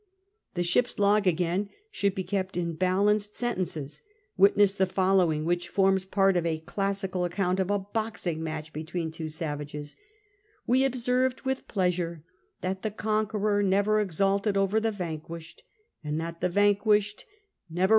The ship's log, again, should be kept in balanced sentences — witness the following, which forms part of a classical account of a boxing match between two savages : "We observed with pleasure that the conqueror never exulted over the vanquished, and that the vanquished never 74 CAPTAIlSr COOK CHAP.